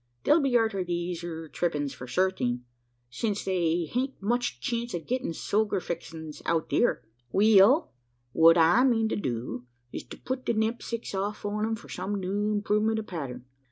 They'll be arter these eer treppings for certing, since they hain't much chence o' gittin' soger fixings out theer. We ell, what I mean to do is to put the knepsacks off on 'em for some new improvement o' pattern.